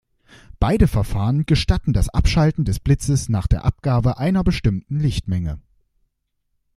Beide Verfahren gestatten das Abschalten des Blitzes nach der Abgabe einer bestimmten Lichtmenge.